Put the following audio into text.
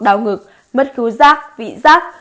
đau ngực mất khíu rác vị rác